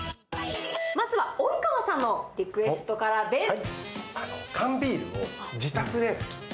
まずは及川さんのリクエストからです。